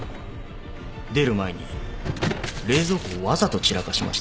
出る前に冷蔵庫をわざと散らかしましたね。